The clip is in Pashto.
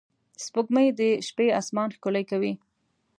سپوږمۍ د شپې آسمان ښکلی کوي